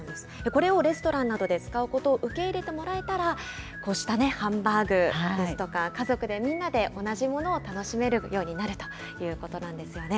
これをレストランなどで使うことを受け入れてもらえたら、こうしたハンバーグですとか、家族で、みんなで同じものを楽しめるようになるということなんですよね。